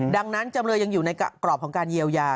ดังนั้นจำเลยยังอยู่ในกรอบของการเยียวยา